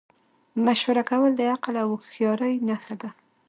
مشوره کول د عقل او هوښیارۍ نښه ده.